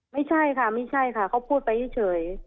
ไม่ใช่ค่ะไม่ใช่ค่ะเขาพูดไปเฉย